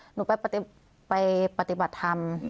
หนูไปปฏิบัติธรรม